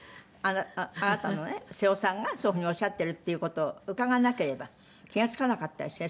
あなたのね瀬尾さんがそういう風におっしゃってるっていう事を伺わなければ気が付かなかったですね。